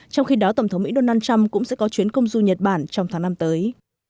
trong khi đó tổng thống mỹ donald trump cũng sẽ có chuyến công du nhật bản trong tháng năm tới